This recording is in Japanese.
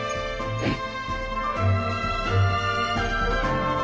うん！